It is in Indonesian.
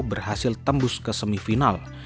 berhasil tembus ke semifinal